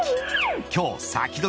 今日、サキドリ！